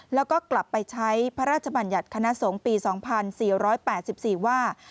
แล้วก็กลับไปใช้พระราชบัญญัติคณะสงฆ์ปี๒๔๘๔ว่า